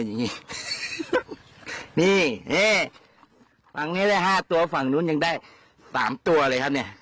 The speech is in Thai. นี่นี่ฝั่งนี้ได้ห้าตัวฝั่งนู้นยังได้สามตัวเลยครับเนี่ย